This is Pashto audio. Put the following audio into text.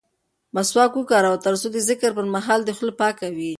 مسواک وکاروه ترڅو د ذکر پر مهال دې خوله پاکه وي.